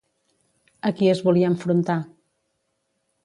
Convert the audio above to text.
A qui es volia enfrontar?